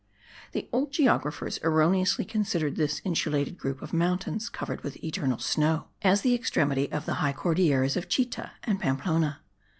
The old geographers erroneously considered this insulated group of mountains covered with eternal snow, as the extremity of the high Cordilleras of Chita and Pamplona.